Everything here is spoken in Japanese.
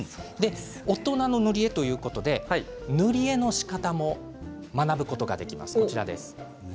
大人の塗り絵ということで塗り絵のしかたも学ぶことができます。